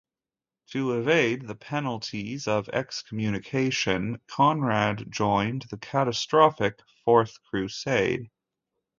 To evade the penalties of excommunication, Conrad joined the catastrophic Fourth Crusade.